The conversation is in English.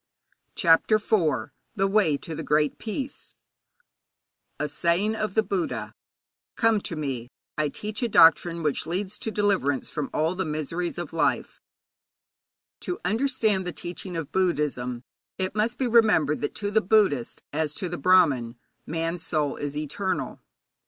CHAPTER IV THE WAY TO THE GREAT PEACE 'Come to Me: I teach a doctrine which leads to deliverance from all the miseries of life.' Saying of the Buddha. To understand the teaching of Buddhism, it must be remembered that to the Buddhist, as to the Brahmin, man's soul is eternal.